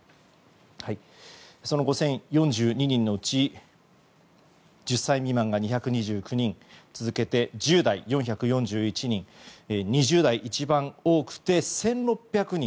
５０４２人のうち１０歳未満が２２９人続けて１０代、４４１人２０代、一番多くて１６００人。